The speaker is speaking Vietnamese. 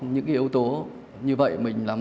những yếu tố như vậy mình làm